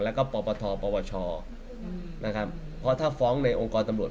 แล้วก็ปปทปวชนะครับเพราะถ้าฟ้องในองค์กรตำรวจ